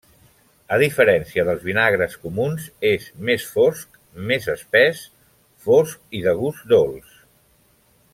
A diferència dels vinagres comuns, és més fosc, més espès, fosc i de gust dolç.